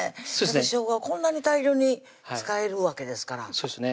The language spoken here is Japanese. しょうがをこんなに大量に使えるわけですからそうですね